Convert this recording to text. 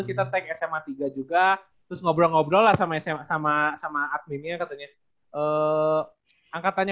kita tank sma tiga juga terus ngobrol ngobrol lah sama sma sama sama adminnya katanya angkatannya